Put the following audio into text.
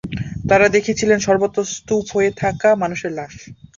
তারা দেখেছিলেন সর্বত্র স্তূপ হয়ে থাকা মানুষের লাশ।